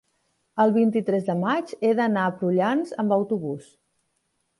el vint-i-tres de maig he d'anar a Prullans amb autobús.